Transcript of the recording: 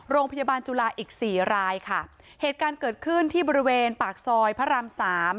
โรงพยาบาลจุฬาอีกสี่รายค่ะเหตุการณ์เกิดขึ้นที่บริเวณปากซอยพระรามสาม